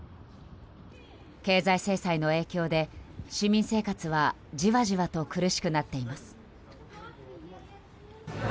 経済制裁の影響で市民生活はじわじわと苦しくなっています。